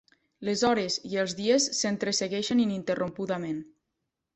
Les hores i els dies s'entresegueixen ininterrompudament.